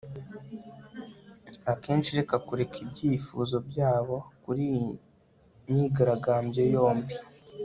akenshi reka kureka ibyifuzo byabo kuri iyi myigaragambyo yombi